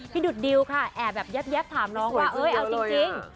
พี่ดูดดิลค่ะแอบแย็บถามน้องว่าเอ้ยเอาจริง